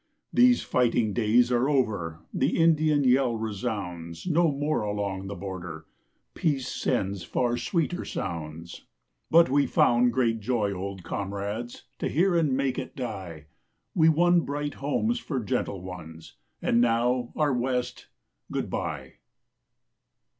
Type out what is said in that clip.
These fighting days are over. The Indian yell resounds No more along the border; Peace sends far sweeter sounds. But we found great joy, old comrades, To hear and make it die; We won bright homes for gentle ones, And now, our West, good bye.